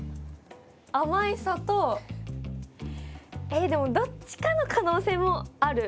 えっでもどっちかの可能性もある。